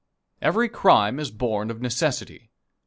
Every crime is born of necessity.